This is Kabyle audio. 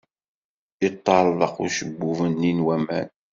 Yeṭṭerḍeq ujeɛbub-nni n waman.